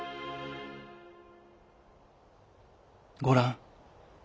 「ごらん。